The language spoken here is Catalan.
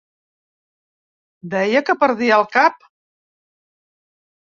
Deia que perdia el cap.